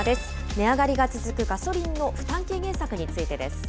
値上がりが続くガソリンの負担軽減策についてです。